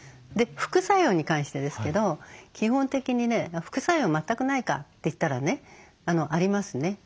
で副作用に関してですけど基本的にね副作用全くないかって言ったらねありますね。